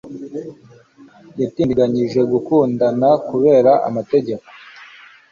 Yatindiganyije gukundana kubera amategeko